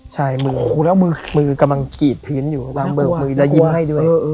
ใช่มือมือกำลังกีดพื้นอยู่กลางเบือกมือแล้วยิ้มให้ด้วย